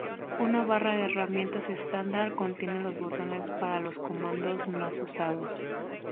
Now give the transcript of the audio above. Una barra de herramientas estándar contiene los botones para los comandos más usados.